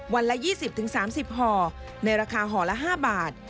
วันละ๒๐๓๐ห่อในราคาห่อละ๕บาท